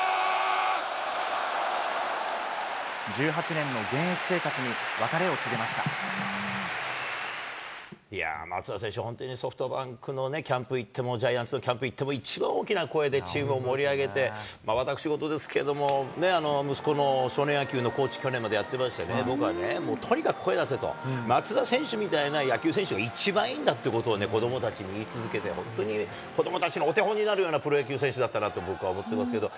１８年の現役生活に別れを告松田選手、本当にソフトバンクのね、キャンプ行っても、ジャイアンツのキャンプ行っても、一番大きな声でチームを盛り上げて、私事ですけれども、息子の少年野球のコーチ、去年までやってましてね、僕はね、とにかく声出せと、松田選手みたいな野球選手が一番いいんだということを子どもたちに言い続けて、本当に子どもたちのお手本になるようなプロ野球選手だったなと、僕は思ってますけど。